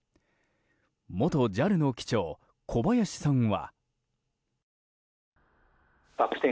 元ＪＡＬの機長、小林さんは。